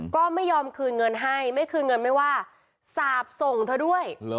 ก็ไม่ยอมคืนเงินให้ไม่คืนเงินไม่ว่าสาบส่งเธอด้วย